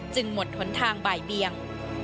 หมดหนทางบ่ายเบียง